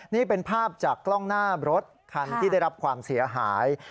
นี่เป็นภาพจากกล้องหน้ารถคันที่ได้รับความเสียหาย